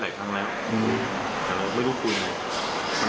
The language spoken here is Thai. เพราะว่าคุณเนี่ยต้องวิ่ง